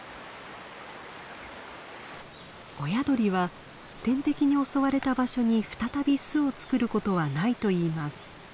親鳥は天敵に襲われた場所に再び巣を作ることはないといいます。